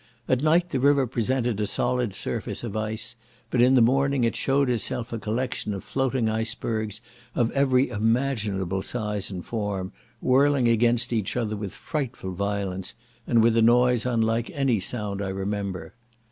At night the river presented a solid surface of ice, but in the morning it shewed a collection of floating icebergs, of every imaginable size and form, whirling against each other with frightful violence, and with a noise unlike any sound I remember.